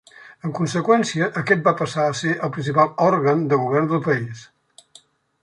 En conseqüència, aquest va passar a ser el principal òrgan de govern del país.